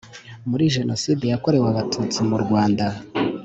muri jenoside yakorewe abatutsi mu rwanda